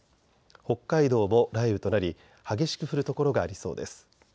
北海道も雷雨となり激しく降る所がありそうです。